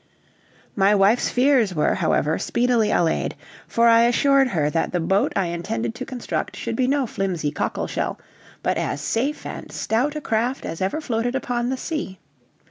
My wife's fears were, however, speedily allayed, for I assured her that the boat I intended to construct should be no flimsy cockle shell, but as safe and stout a craft as ever floated upon the sea.